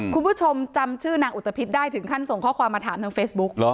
คุณผู้ชมจำชื่อนางอุตภิษได้ถึงขั้นส่งข้อความมาถามทางเฟซบุ๊ก